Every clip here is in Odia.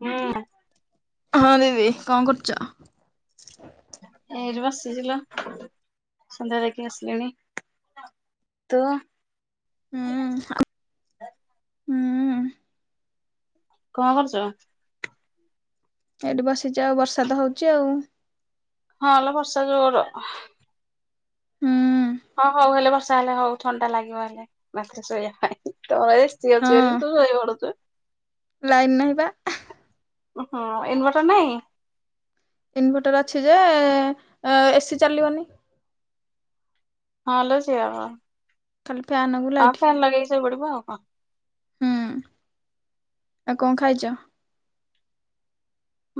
ହୁଁ। ହଁ ଦେବି କଣ କରୁଛ? ଏଇଠି ବସିଥିଲ ସନ୍ଧ୍ୟା ଯାଇକି ଆସିଲିଣି ତୁ ହୁଁ ହୁଁ। କଣ କରୁଛ? ଏଇଠି ବସିଚ, ଆଉ ବର୍ଷା ତ ହଉଛି ଆଉ ହଁ ଲୋ ବର୍ଷା ଜୋର ହୁଁ ହଁ ହଉ ହେଲେ ବର୍ଷା ହେଲେ ହଉ ଥଣ୍ଡା ଲାଗିବ ହେଲେ ମାତରେ ଶୋଇବା ପାଇଁ ତୋର ଏସି ଅଛି ବୋଲି, ହଁ ତୁ ଶୋଇ ପଢୁଚୁ ଲାଇନ [inaudible] ହୁଁ ଇନ୍‌ଭର୍ଟର ନାଇଁ? ଇନଭଟର ଅଛି ଯେ ଏସି ଚାଲିବନି। ହଁ ଲୋ ସେଆବା। ଖାଲି ଫ୍ୟାନକୁ ହଁ ଲାଇଟ ଫେନ୍ ଲଗେଇ ଶୋଇ ପଡିବ ଆଉ କଣ? ହୁଁ ଆଉ କଣ ଖାଇଛ?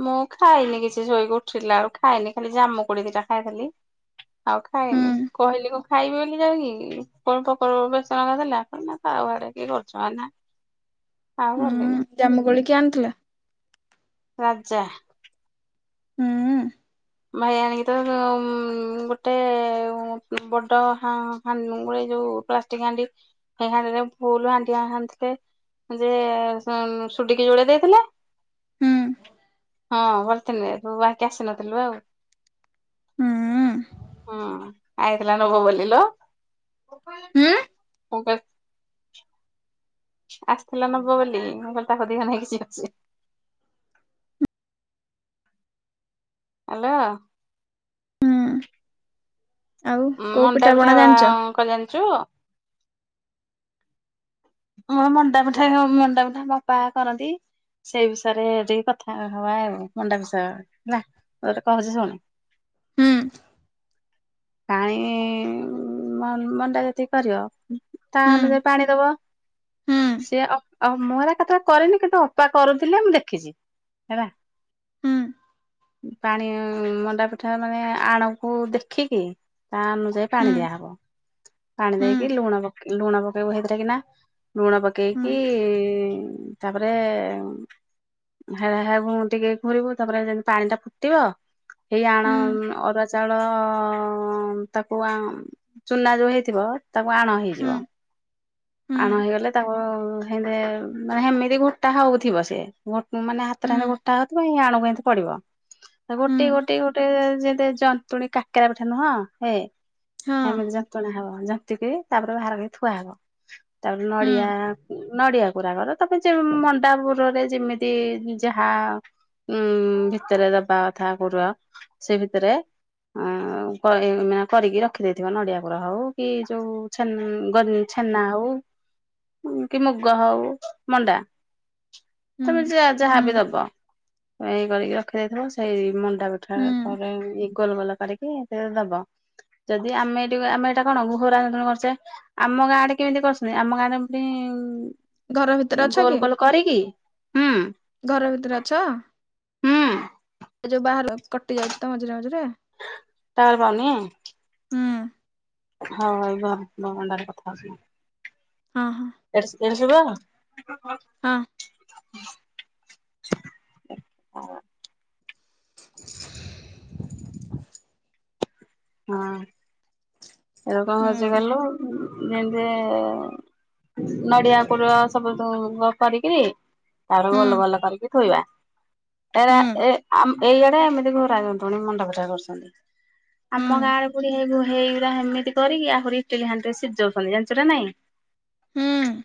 ମୁଁ ଖାଇନି କିଛି ଶୋଇକି ଉଠିଲା ଆଉ ଖାଇନି ଖାଲି ଜାମୁକୋଳି ଦିଟା ଖାଇ ଦେଲି। ଆଉ ହୁଁ ଖାଇନି କହିଲି କଣ ଖାଇବି ବୋଲି ଯାଉକି କଣ। [unintelligible] ଆଉ ଗଲିନି। ହଁ ଜାମୁକୋଳି କିଏ ଆଣିଥିଲା? ରାଜ୍ଜା। ହୁଁ। ଭାଇ ଆଣିକି ତ ଗୋଟେ ବଡ଼ ହାନୁ ଗୁଲେ ଯୋଉ ପ୍ଲାଷ୍ଟିକ ହାଣ୍ଡି ସେଇ ହାଣ୍ଡିରେ ଫୁଲ୍ ହାଣ୍ଡି ଆଣିଥିଲେ। ଯେ ସୁଟିକି ଯୋଡେଇ ଦେଇଥିଲେ। ହୁଁ ହଁ ଭଥିଲ ତୁ ବାହିକି ଆସିନଥିଲୁ ଆଉ। ହୁଁ। ହୁଁ ଆଇଥିଲା ନବ ବୋଲିିଲ। ହୁଁ। [unintelligible] ଆସିଥିଲା ନବ ବୋଲି ମୁଁ କହିଲି ତାକୁ ଦିଅ ନାହିଁ କିଛି ଅଛି। [inaudible] ହ୍ୟାଲୋ। ହୁଁ ଆଉ କୋଉ ମଣ୍ଡା ପଣା ପିଠା ଜାଣିଛ? କରି ଜାଣିଛୁ? ହଁ ମଣ୍ଡାପିଠା ମଣ୍ଡାପିଠା ବାପା କରନ୍ତି। ସେଇ ବିଷୟରେ ଟିକେ କଥା ହବା ଆଉ ମଣ୍ଡା ବିଷୟ ହେଲା ମୁ ତେତେ କହୁଛି ଶୁଣ। ହୁଁ। କାଇଁ ଉଁ। ମଣ୍ଡା ଯେତିକି କରିବ ତା ହୁଁ ଅନୁଯାୟୀ ପାଣି ଦବ। ହୁଁ ସିଏ ମୋରା କେତଳେ କରିନି କିନ୍ତୁ ଅପା କରୁଥିଲେ ମୁଁ ଦେଖିଛି। ହେଲା। ହୁଁ ପାଣି ମଣ୍ଡା ପିଠା ମାନେ ଆଣକୁ ଦେଖିକି ତା ଅନୁଯାୟୀ ପାଣି ହୁଁ ଦିଆହବ ପାଣି ହୁଁ ଦେଇକି ଲୁଣ ପକେଇ ଲୁଣ ପକେଇକୁ ହେଇଥିଲା କି ନା ଲୁଣ ହୁଁ ହୁଁ ପକେଇକି ଇ ତାପରେ ଏ ହେ ହେ ଟିକେ ଘୁରିବୁ ତାପରେ ଯେମିତି ପାଣି ଟା ଫୁଟିବ ଏଇ ଆଣ ହୁଁ ଅରୁଆ ଚାଉଳ ତାକୁ ଚୁନା ଯୋଉ ହେଇଥିବ ତାକୁ ଆଣ ହେଇଯିବ ହୁଁ ଆଣ ହେଇଗଲେ ତାକୁ ଉ ମାନେ ସେମିତି ଗୋଟା ହଉଥିବ ସିଏ ମାନେ ହୁଁ ହାତରେ ହେନ୍ତି ହୁଁ ଗୋଟା ହଉଥିବ ଆଣୁ ପଡିବ ଗୋଟେ ଗୋଟେ ଗୋଟେ ଯେନ୍ତି ଜନ୍ତୁଣୀ କାକରା ଇଚ୍ଛା ନୁହଁ ହେ ହଁ ଏମତି ଯନ୍ତ୍ରଣା ହବ। ଯାନ୍ତିକି ତାପରେ ବାହାର କରି ଥୁଆ ହବ। ତାପରେ ହୁଁ ନଡିଆ ନଡିଆ। ପୁରା କର ତମେ ମଣ୍ଡାପୁରରେ ଯେମିତି ଯାହା। ଉଁ ଭିତରେ ଦବା କଥା ପୁର ସେ ଭିତରେ ଅଁ- ମାନେ କରିକି ରଖିଦେଇ ଥିବା ନଡିଆ କରା ହଉ କି ଯୋଉ ଛେ ଛେନା ହଉ। କି ମୁଗ ହଉ ମଣ୍ଡା। ହୁଁ ତମେ ଯା ହୁଁ ଯାହାବିି ଦବ ଏଇ କରିକି ରଖିଦେଇଥିବ ସେଇ ମ ଡ଼ା ପଠା ହୁଁ ଇଏ ଗୋଲ ଗୋଲ କରିକି ସେଥିରେ ଦବ। ଯଦି ଆମେ ଏଇଠି ଆମେ ଏଇଟା କଣ ଗୋହର ରେ କରିଛେ। ଆମ ଗାଁଡେ କେମିତି କରୁଛନ୍ତି। ଆମ ଗାଁରେ ପୁଣି। ଘର ଭିତରେ ଅଛ ଗୋଲ କି? ଗୋଲ କରିକି ହୁଁ ଘର ଭିତରେ ଅଛ? ହୁଁ ଏ ଯୋଉ ବାହାର କଟି ଯାଉଛି ତ ମଝିରେ ମଝିରେ। ଟାୱାର ପାଉନି। ହୁଁ ହଁ ଏଇ ପା ମୋ ଫୋନ୍ ଟାରେ କଥା ହଉଛି। ହଁ ହ। [unintelligible] ହଁ। [unintelligible] ହଁ ଏ ରକମ ହଜି ହୁଁ ଗଲୁ ଯେମିତି। ନଡିଆ ପୁର ସବୁ କରିକିରି- ତାପରେ ହୁଁ ଭଲ ଭଲ କରିକି ଥୋଇବା। ଏ ହୁଁ ଏ ଏଇଆଡେ ଏମିତି ଘର ଯନ୍ତୁଣି ମୁଣ୍ଡା ପିଠା କରୁଛନ୍ତି। ହୁଁ ଆମ ଗାଁଆଡେ ପୁରି ହେଇଗୁରା ଏମିତି କରିକି ଆ ଇଟିଲି ହାଣ୍ଡିରେ ସିଝଉଛନ୍ତି ଜାଣିଛ ନା ନାଇଁ। ହୁଁ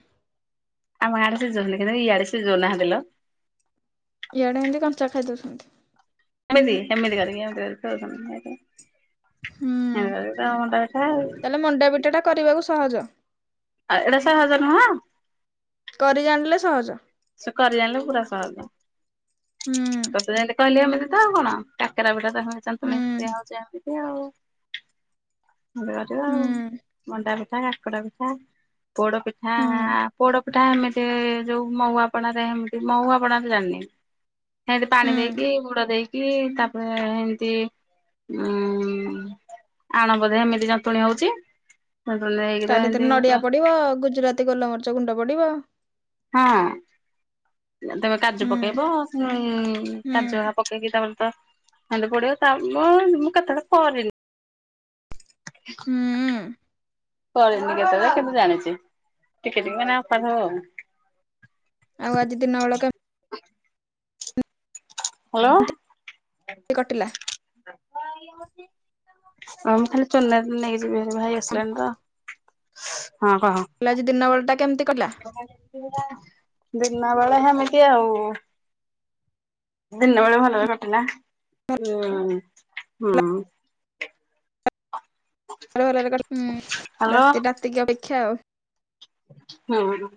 ଆମ ଆଡେ ସିଯୋଉ ଥିଲେ କି ନାଇଁ ଇଆଡେ ସିଯୋଉ ନାହାଁନ୍ତି ଲୋ। ଇଆଡେ ହେମିତି କଞ୍ଚା ଖାଇ ଦୋଉଚନ୍ତି। ହେମିତି ହେମିତି କରିକି ଏମିତି କରିକି ତ ଆଉ [unintelligible] ହୁଁ ତାହଲେ ମଣ୍ଡା ପିଠାଟା କରିବାକୁ ସହଜ। ଆଉ ଏଇଟା ସହଜ ନୁହଁ। କରି ଜାଣିଲେ ସହଜ। ସେ କରି ଜାଣିଲ ପୁରା ସହଜ। ହୁଁ ତତେ ଯେମିତି କହିଲିି ଏବେ ଯୋ ଏମିତି ତ ଆଉ କଣ କାକେରା ପିଠାଟ ସେମିତି ହୁଁ [unintelligible] ଦିଆହୋଉଚି ଏମିତି ଆଉ। ଏମିତି କରିବ ଆଉ ହୁଁ ମଣ୍ଡା ପିଠା କାକରା ପିଠା ପୋଡ ପିଠାଁ ହୁଁ ପୋଡ ପିଠା ଏମିତି ଯୋଉ ମୋହୁଆପଣାରେ ହେମିତି ମୋହୁ ଆପଣାରେ ଜାଣିନି। ହେମତି ପାଣି ହୁଁ ଦେଇକି ଗୁଡ ଦେଇକି ତାପରେ ଏମତି ହୁଁ ଆଣ ବୋଧେ ଏମିତି ଯନ୍ତୁଣୀ ହୋଉଚି ତାହେଲେ ଏଥେରେ ନଡିଆ ପଡିବ। ଗୁଜୁରାତି ଗୋଲମରିଚ ଗୁଣ୍ଡ ପଡିବ। ହଁ। ତମେ କାଜୁ ହୁଁ ପକେଇବ ଉ ହୁଁ କାଜୁ ପକେଇକି ତାମର ଖାଣ୍ଡେ ପଡିବ ତା ମୁ ମୁଁ କଥା ପରନି ହୁଁ। କରି କେତ କିନ୍ତୁ ଜାଣିଛି ଟିକେବ ଆଉ ଆଉ ଆଜି ଦିନ ଅଳକା ହ୍ୟାଲୋ। କଟିଲା। ଆମେ ଖାଲି ଚୋନ ଦିନ ନେଇକି ଯିବି ଭାଇ ଆସିଲାଣି ତ ହଁ କହ ତାହେଲେ ଆଜି ଦିନ ବେଳା ଟା କେମିତି କଟିଲା? ଦିନ ବେଳେମିତି ଆ ଆଉ। ଦଣ୍ଡବେଳେ ଭଲରେ କଟ ନା ହୁଁ ହୁଁ। ହ୍ୟାଲୋ ରାତି ରାତିକି ଅପେକ୍ଷା ଆଉ। ହୁଁ।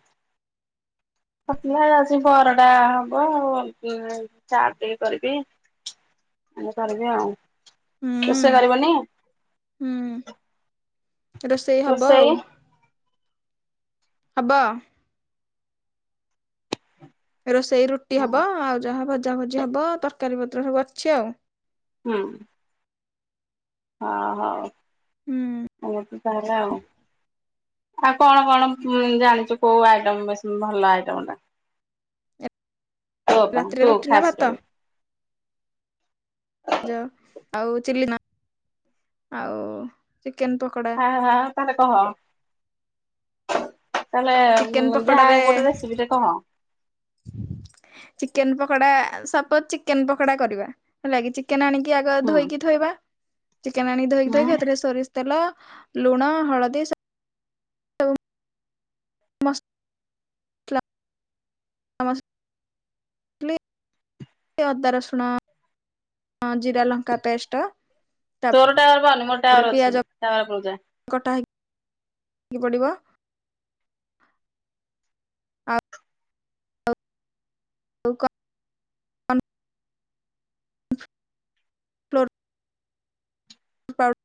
ସପିଲ ଆଜି ବର ଟା ହବ ଆଉ ଚାର ଟ କରିବି ଏ କରିବି ଆଉ କେଷ ହୁଁ କରିବନି ହୁଁ ରୋଷେଇ ହବ ଆଉ। ହବ? ରୋଷେଇ ରୁଟି ହବ। ଆଉ ଯାହା ଭଜା ଭଜି ହବ ତରକାରୀ ପତ୍ର ସବୁ ଅଛି ଆଉ। ହୁଁ। ହଁ ହଉ ହୁଁ ଏମତି ତାହେଲେ ଆଉ। ଆଉ କଣ କଣ ଜାଣିଛୁ କୋଉ ଆଇଟମ ଭଲ ଆଇଟମ ଟା ଏ ବୋପ ରାତିରେ ତୁ ରୁଟି ନା ଖାସ ଭାତ କ ଆଉ ଚିଲି ଆଉ ଚିକେନ ପକୋଡା ହଁ ହଁ ତାହଲେ କହ? ଚିକେନ ତାହେଲେ ଯାହା ପକୋଡାରେ ଗୋଟେ ରେସିପି ଟେ କହ chicken pakoda suppose chicken pakoda କରିବା ଲି ଚିକେନ ଆଣିକି ଆଗ ହୁଁ। ଧୋଇକି ଥୋଇବା ଚିକେନ ଆଣିକି ଧୋଇକି ଧୋଇକି ଏଥିରେ ସରିଷ ତେଲ ଲୁଣ ହଳଦୀ ସ ମସଲା [unintelligible] ଅଦା ରସୁଣ ଆ ଜିରା ଲଙ୍କା ପେଷ୍ଟ ତୋର ଟାୱାର ପାନି ମୋର ଟାୱାର ଅଛି ଟାୱାର ଉପୁରୁକୁ ଯା କି ପଡିବ ଆଉ ହୋଉ କ [unintelligible]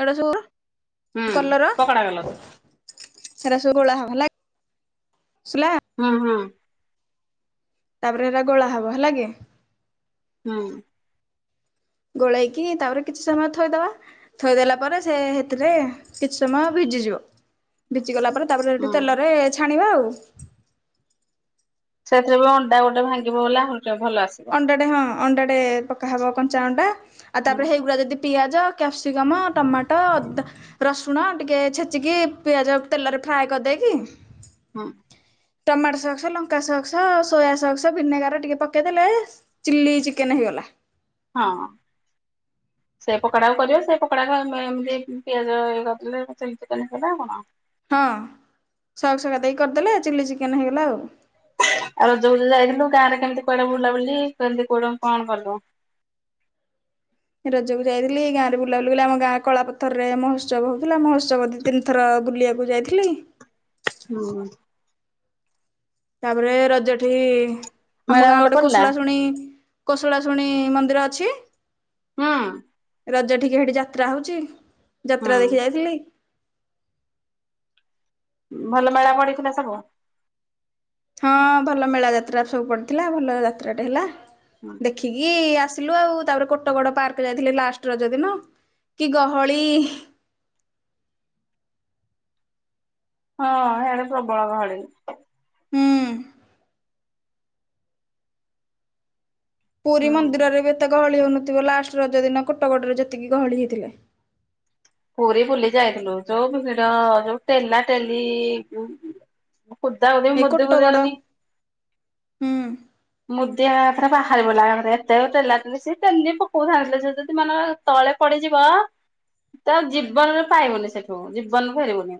ଏଡା ସବୁ ହୁଁ ପକଡା କଲ ତ ହେରା ସବୁ ଗୋଲହବ ହେଲା କି? ହଁ ହଁ। ତାପରେ ହେରା ଗୋଳା ହବ ହେଲା କି ହୁଁ। ଗୋଳେଇକି ତାପରେ କିଛି ସମୟ ଥୋଇଦବା ଥୋଇଦଲା ପରେ ସେ ସେଥିରେ କିଛି ସମୟ ଭିଜିଯିବ ଭିଜି ଗଲା ପରେ ତାପରେ ହୁଁ ସେଠି ତେଲରେ ଛାଣିବା ଆଉ। ସେଥିରେ ବି ଅଣ୍ଡା ଗୋଟେ ଭାଙ୍ଗିବ ବୋଲି ଆହୁରି ଟିକେ ଭଲ ଆସିବ। ଅଣ୍ଡାଟେ ହଁ ଅଣ୍ଡାଟେ ପକାହବ କଞ୍ଚା ଅଣ୍ଡା ଆଉ ହୁଁ ତାପରେ ହେଇଗୁଡା ଯଦି ପିଆଜ କ୍ୟାପ୍ସିକମ୍ ଟମାଟ ଅଦା ରସୁଣ ଟିକେ ଛେଚିକି ପିଆଜ ତେଲରେ ଫ୍ରାଏ କରିଦେଇକି ହଁ। ଟମାଟୋ ସକ୍ସ ଲଙ୍କା ସକ୍ସ ସୋୟା ସକ୍ସ ଭିନେଗାର ଟିକେ ପକେଇ ଦେଲେ ଚିଲ୍ଲି ଚିକେନ ହେଇଗଲା। ହଁ। [inaudible] ସେ ପକୋଡାକୁ କରିବ ସେ ପକୋଡାକୁ ଆମେ ଏମିତି ପିଆଜ କରିଦେଲେ ହେଲା ହଁ ସକ୍ସ ଘରିକା ଦେଇକି କରିଦେଲେ ଚିଲି ଚିକେନ ହେଇଗଲା ଆଉ। ଆଉ ର ଯାଇଥିଲୁ ଗାଁ ରେ କେମିତି କୁଆଡା ବୁଲା ବୁଲି କେମିତି କୋଉଡ କଣ କଲୁ? [inaudible] ରଜକୁ ଯାଇଥିଲି ଗାଁରେ ବୁଲା ବୁଲି କଲି ଆମ ଗାଁ କଳା ପଥ ରେ ମହୋସବ ହଉଥିଲା ମହୋଷବ ଦିଇ ତିନିଥର ବୁଲି କୁ ଯାଇଥିଲି। ହଁ। ତାପରେ ରଜଠି ମେଳା ଆମ ଗାଁ ଭଲ ଗୋଟେ ପଡିଲା କୋଶଳା ଶୁଣି କୋଶଳା ଶୁଣୀ ମନ୍ଦିର ଅଛି। ହଁ। ରଜ ଟଠିକେ ସେଠି ଯାତ୍ରା ହଉଛି ହୁଁ ଯାତ୍ରା ଦେଖି ଯାଇଥିଲି। ଭଲ ମେଳା ପଡିଥିଲା ସବୁ। ହଁ ଭଲ ମେଳା ଯାତ୍ରା ସବୁ ପଡିଥିଲା ଭଲ ଯାତ୍ରାଟା ହେଲା ଦେଖିକି ଆସ ଆଉ ତାପରେ କୋଟଗଡ ପାର୍କ ଯାଇଥିଲି ଲାଷ୍ଟ ରଜ ଦିନ। କି ଗହଳି ହଁ ହେଆଡ ପ୍ରବଳ ଗହଳି। ହୁଁ। ପୁରୀ ହୁଁ। ମନ୍ଦିରରେ ବି ତ ଗହଳି ହଉନଥିବ ଲାଷ୍ଟ ରଜ ଦିନ କୋଟ ଗୋଡରେ ଯେତିକି ଗହଳି ହେଇଥିଲା। ପୁରୀ ବୁଲି ଯାଇଥିଲୁ ଯୋଉ ଭିଡ ଯୋଉ ଟେଲା ଟେଲି କଦା ଓେ ଏଇ ମୁଦ କୋଟଗଡ କଦି ହୁଁ ମୁ ରେ ବାହାରିବ ଲରେ ଏତେ ତେଲା ସ ସେମିତି ପକଉଥାଥିଲେ ସେ ଯଦି ମାନର ତଳେ ପଡିଯିବ [inaudible] ତ ଜୀବନରେ ପାଇବୁନି ସେଠୁ ଜୀବନରେ ଫେରିବୁନି।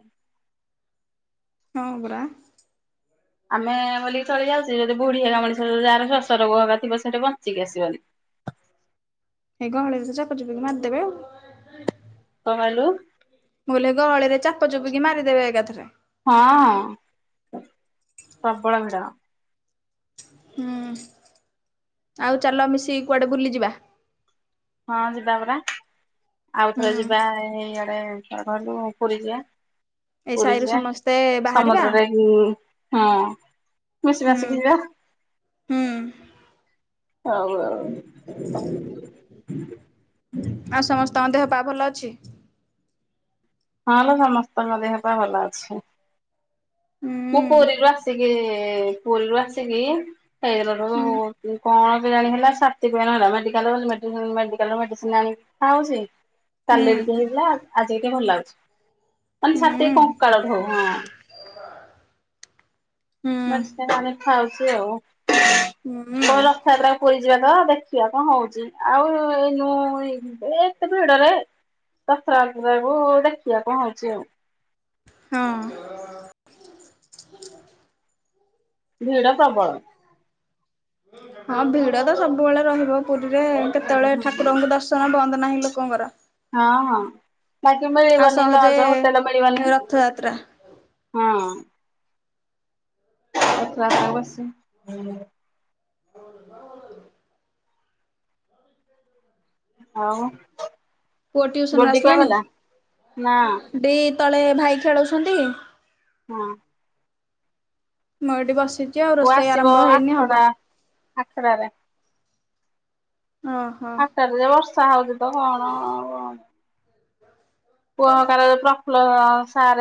ହଁ ପରା। ଆମେ ବୋଲିକି ଚଳି ଯାଉଛେ ଯଦି ବୁଢୀ ହେଗା ମଣିଷ ଯାହାର ଶ୍ୱାସ ରୋଗ ହୋ ଥିବ ସେଠି ବଞ୍ଚିକି ଆସିବନି। ଏଇ ଗହଳି ଭିତରେ ଚାପ ଚୁପିକି ମାରିଦେବେ ଆଉ। ହାଲୋ। ମୁ କହିଲି ଏ ଗହଳିରେ ଚାପ ଚୁପିକି ମାରିଦେବେ ଏକାଥରେ। ହଁ ଅଁ ପ୍ରବଳ ଭିଡ। ହୁଁ ଆଉ ଚାଲ ମିଶିକି କୁଆଡେ ବୁଲି ଯିବା। ହଁ ଯିବା ପରା ହୁଁ। ଆଉଥରେ ଯିବା ଏଇଆଡେ ଲୁ ପୁରୀ ଯିବା। ଏଇ ପୁରୀ ସାହିରୁ ଯିବା ସମସ୍ତେ ବାହାରିବା ସମୁଦ୍ରରେ ଏହି ହଁ ହୁଁ ମିଶିମାସିକି ଯିବା। ହୁଁ। ହଉ ହଉ। ଆଉ ସମସ୍ତଙ୍କ ଦେହ ପା ଭଲ ଅଛି? ହଁ ଲୋ ସମସ୍ତଙ୍କ ଦେହ ପା ଭଲ ଅଛି। ମୁଁ ହୁଁ ପୁରୀରୁ ଆସିକି ପୁରୀରୁ ଆସିକି ହୁଁ ହେଇରୁ କଣ ଏବେ ଜାଣି ହେଲା ଛାତି ପେନ ହେଲା ମେଡିକାଲ ଗଲି ମେଡ଼ି ମେଡିକାଲରୁ ମେଡ଼ିସିନ ଆଣିକି ଖାଉଚି ହୁଁ କାଲିଠୁ ତ ହୋଇଥିଲା ଆଜି ଟିକେ ଭଲ ଲାଗୁଛି। ଖାଲି ହୁଁ ଛାତି କଙ୍କାଳଠୁ ହଁ। ହୁଁ। ମଝି ଟା ରେ ଖାଉଛି ହଉ ହୁଁ ରଥଯାତ୍ରା କୁ ପୁରି ଯିବା ପା ଦେଖିବା କଣ ହଉଛି ଆଉ ଏଇନୁ ଏ ଏତେ ଭିଡରେ ଦଶହରା ବେଳେକୁ କହିବୁ ଦେଖିବା କଣ ହଉଚି ଆଉ। ହଁ। ଭିଡ଼ ପ୍ରବଳ। ହଁ ଭିଡ ତ ସବୁବେଳେ ରହିବ ପୁରୀରେ କେତେବେଳେ ହୁଁ ଠାକୁରଙ୍କୁ ଦର୍ଶନ ବନ୍ଦ ନାହିଁ ଲୋକଙ୍କର। ହଁ ହଁ ବାକି ଆଉ ମିଳିବନି ସହଜେ ଲଜ୍ ହୋଟେଲ ମିଳିବନି। ରଥଯାତ୍ରା ହଁ। ଛୁଆ ପିଲା ବସିଛି। ଆଉ ଆ [inaudible] ଆଉ ପୁଅ ଟିଉସନରୁ ବର୍ଦି କୁଆଡେ଼ ଆସିଲାଣି? ଗଲା ନା। ଦି ତଳେ ଭାଇ ଖେଳୁଛନ୍ତି। ହଁ। ମୁଁ ଏଠି ବସିଛି ଆଉ ପୁଅ ରୋଷେଇ ଆସିବ ଆରମ୍ଭ ହେଇନି ହବ। ଆଠଟା ଆଠଟାରେ ଓହୋ। ଆଟ୍ଟାରେ ଯଉ ବର୍ଷା ହଉଚି ତ କଣ ଆଉ ପୁଅ କାଳ ପ୍ରଫୁଲ୍ଲ ଅ ସାର୍